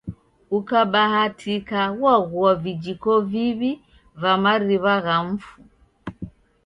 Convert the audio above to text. Ukabahatika wagua vijiko viw'i va mariw'a gha mfu.